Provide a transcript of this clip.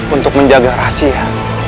untuk menjaga rahasia